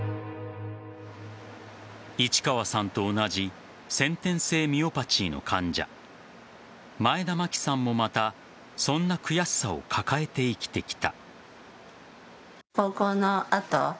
市川さんと同じ先天性ミオパチーの患者前田真規さんもまたそんな悔しさを抱えて生きてきた。